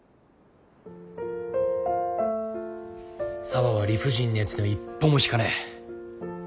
沙和は理不尽なやつには一歩も引かねえ。